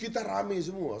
kita rame semua